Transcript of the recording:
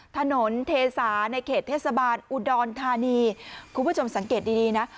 ถนนเทสาในเขตเทศบาลอุดรธานีคุณผู้ชมสังเกตดีดีนะ